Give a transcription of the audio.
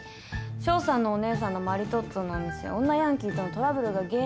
翔さんのお姉さんのマリトッツォのお店女ヤンキーとのトラブルが原因で潰れたって。